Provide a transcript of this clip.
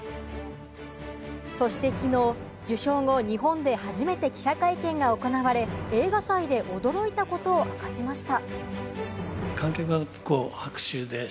そしてきのう、受賞後、日本で初めて記者会見が行われ、映画祭で驚いたことを明かしました。